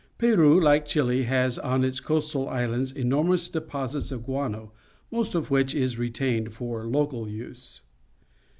Peru, hke Chile, has on its coastal islands enormous deposits of guano, most of wliich is retained for local use.